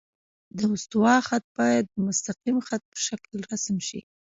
د استوا خط باید د مستقیم خط په شکل رسم شي